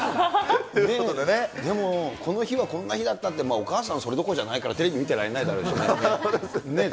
この日は、こんな日だったって、お母さん、それどころじゃないから、テレビ見てられないだろうしね。